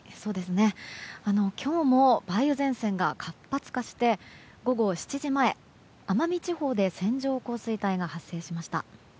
今日も梅雨前線が活発化して午後７時前、奄美地方で線状降水帯が発生しました。